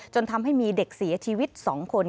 จนทำให้มีเด็กเสียชีวิต๒คน